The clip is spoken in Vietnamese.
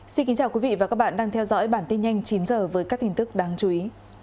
xin kính chào quý vị và các bạn đang theo dõi bản tin nhanh chín h với các tin tức đáng chú ý